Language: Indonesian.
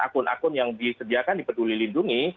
akun akun yang disediakan di peduli lindungi